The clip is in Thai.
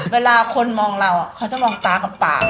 เวลาคนมองเราเขาจะมองตากับปาก